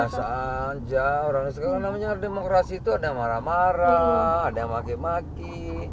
biasa aja orangnya sekarang namanya ada demokrasi itu ada yang marah marah ada yang make make